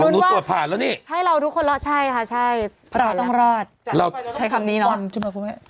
ลุ้นว่าให้เราทุกคนรอดใช่ค่ะใช่พระราชต้องรอดใช้คำนี้เนอะช่วยมาพูดไหม